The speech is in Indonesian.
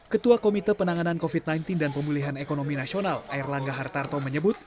ketua komite penanganan covid sembilan belas dan pemulihan ekonomi nasional air langga hartarto menyebut